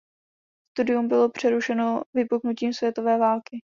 Studium bylo přerušeno vypuknutím světové války.